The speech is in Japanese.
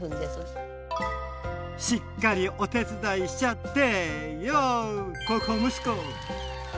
しっかりお手伝いしちゃってよっ孝行息子！